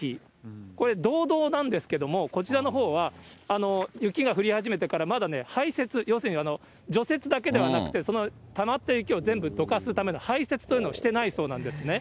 これ、道道なんですけれども、こちらのほうは雪が降り始めてからまだね、排雪、要するに除雪だけではなくて、そのたまった雪を全部とかすための排雪というのをしてないそうなんですね。